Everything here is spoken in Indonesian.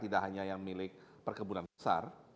tidak hanya yang milik perkebunan besar